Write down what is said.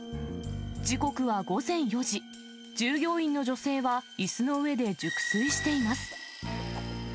時刻は午前４時、従業員の女性はいすの上で熟睡しています。